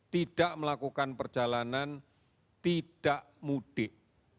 tidak melakukan perjalanan tidak mudik